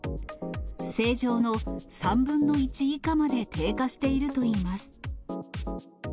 正常の３分の１以下まで低下しているといいます。